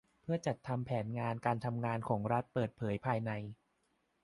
เพื่อจัดทำแผนการทำงานของรัฐเปิดเผยภายใน